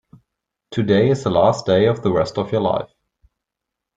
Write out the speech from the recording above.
Today is the last day of the rest of your life.